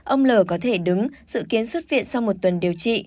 ông l có thể đứng dự kiến xuất viện sau một tuần điều trị